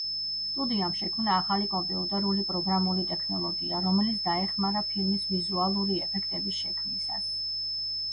სტუდიამ შექმნა ახალი კომპიუტერული პროგრამული ტექნოლოგია, რომელიც დაეხმარა ფილმის ვიზუალური ეფექტების შექმნისას.